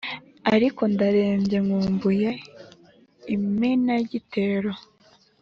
Ariko ndarembye, nkumbuye Imenagitero